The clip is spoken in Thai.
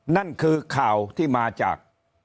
นั่นคือข่าวที่มาจาก